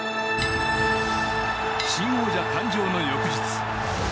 新王者誕生の翌日。